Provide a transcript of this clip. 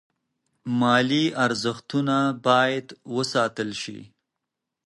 مالي ارزښتونه باید وساتل شي.